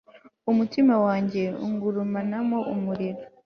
umutima wanjye ungurumanamo umuriro